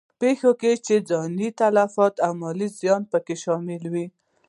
پېښې چې ځاني تلفات او مالي زیانونه په کې شامل وي.